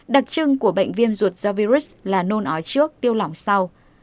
đặc trưng của bệnh viêm ruột do virus là nôn ói trước tiêu lỏng sau